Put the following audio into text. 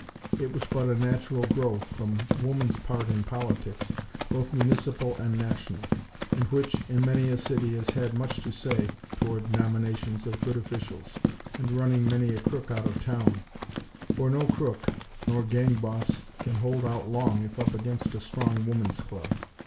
It was but a natural growth from Woman's part in politics, both municipal and National; and which, in many a city, has had much to say toward nominations of good officials, and running many a crook out of town; for no crook, nor "gang boss" can hold out long if up against a strong Woman's Club.